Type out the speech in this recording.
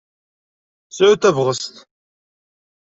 Sɛut tabɣest!